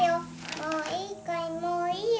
もういいかい、もういいよ。